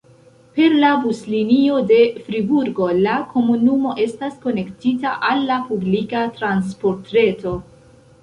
Per la buslinio de Friburgo la komunumo estas konektita al la publika transportreto.